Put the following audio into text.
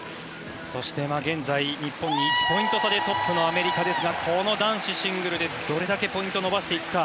そして現在、日本に１ポイント差でトップのアメリカですが男子シングルでどれだけポイントを伸ばしていくか。